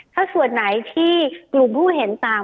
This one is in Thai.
ถ้าส่วนไหนที่กลุ่มผู้เห็นต่าง